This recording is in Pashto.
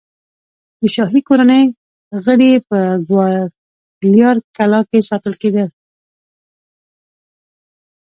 د شاهي کورنۍ غړي په ګوالیار کلا کې ساتل کېدل.